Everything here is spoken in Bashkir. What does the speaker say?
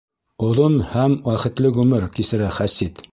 Оҙон һәм бәхетле ғүмер кисерә Хәсид.